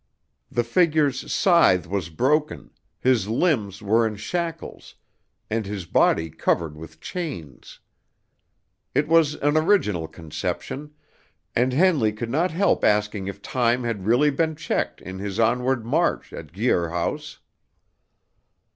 The figure's scythe was broken; his limbs were in shackles, and his body covered with chains. It was an original conception, and Henley could not help asking if Time had really been checked in his onward march at Guir House.